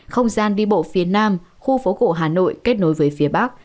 không gian đi bộ phía nam khu phố cổ hà nội kết nối với phía bắc